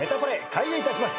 開演いたします。